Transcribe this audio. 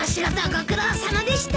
ご苦労さまでした。